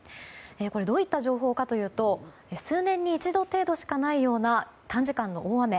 どういった情報かというと数年に一度程度しかないような短時間の大雨。